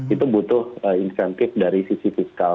itu butuh insentif dari sisi fiskal